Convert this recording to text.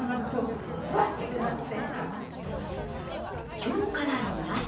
今日から２月。